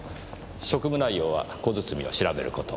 職務内容は小包を調べる事。